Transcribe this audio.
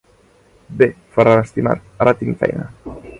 Bé, Ferran estimat, ara tinc feina.